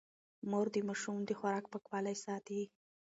مور د ماشوم د خوراک پاکوالی ساتي.